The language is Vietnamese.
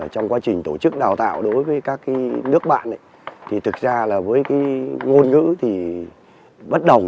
trong quá trình tổ chức đào tạo đối với các nước bạn thì thực ra là với ngôn ngữ thì bất đồng